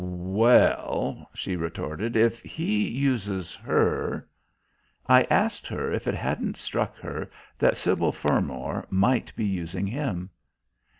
"Well," she retorted, "if he uses her " I asked her if it hadn't struck her that Sybil Fermor might be using him?